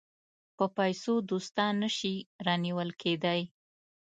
په پیسو دوستان نه شي رانیول کېدای.